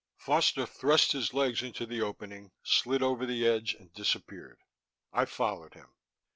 Foster thrust his legs into the opening, slid over the edge and disappeared. I followed him.